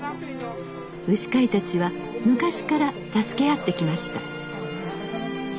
牛飼いたちは昔から助け合ってきました。